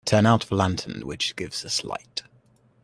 Turn out the lantern which gives us light.